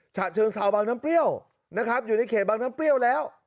ฉะเชิงเซาบางน้ำเปรี้ยวนะครับอยู่ในเขตบางน้ำเปรี้ยวแล้ว